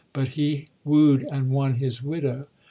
but he wooed and won his widow.